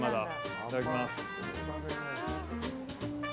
いただきます。